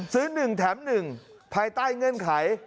ซื้อ๑แถม๑ภายใต้เงื่อนไข